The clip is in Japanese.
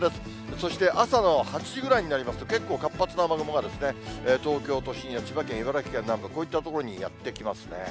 そして朝の８時ぐらいになりますと、結構、活発な雨雲が東京都心や千葉県、茨城県南部、こういった所にやって来ますね。